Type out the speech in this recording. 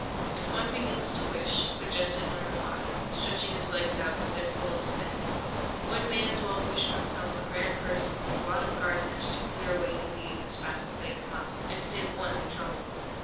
"If one begins to wish," suggested No. 5, stretching his legs out to their full extent, "one may as well wish oneself a grand person with a lot of gardeners to clear away the weeds as fast as they come up, and save one the trouble."